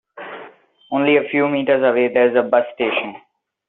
Only a few meters away there is a bus station.